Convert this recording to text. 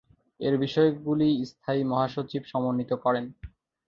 এর বিষয়গুলি স্থায়ী মহাসচিব সমন্বিত করেন।